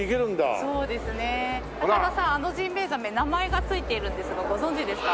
高田さんあのジンベエザメ名前がついているんですがご存じですか？